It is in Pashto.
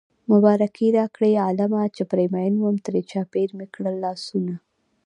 مبارکي راکړئ عالمه چې پرې مين وم ترې چاپېر مې کړل لاسونه